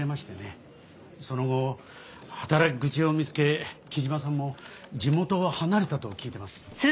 その後働き口を見つけ木島さんも地元を離れたと聞いてます。